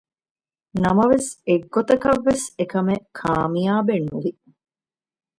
ނަމަވެސް އެއްގޮތަކަށްވެސް އެކަމެއް ކާމިޔާބެއް ނުވި